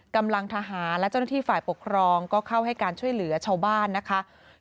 กำลังทหารและเจ้าหน้าที่ฝ่ายปกครองก็เข้าให้การช่วยเหลือชาวบ้านนะคะ